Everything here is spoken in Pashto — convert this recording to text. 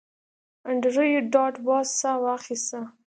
انډریو ډاټ باس ساه واخیسته